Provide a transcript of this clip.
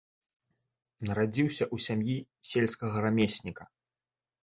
Нарадзіўся ў сям'і сельскага рамесніка.